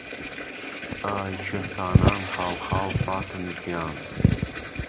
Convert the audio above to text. ئای کوێستانان خاڵ خاڵ فاتم گیان